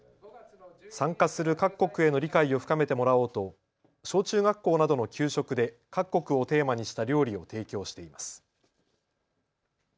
参加する各国への理解を深めてもらおうと小中学校などの給食で各国をテーマにした料理を提供しています。